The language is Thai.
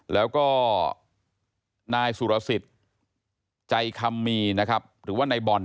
แล้วก็นายสุรสิทธิ์ใจคำมีหรือว่าในบ่อน